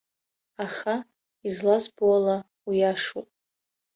Аха, излазбо ала, уиашоуп.